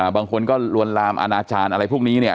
บางคนก็ลวนลามอาณาจารย์อะไรพวกนี้เนี่ย